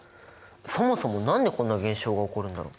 そもそも何でこんな現象が起こるんだろう！？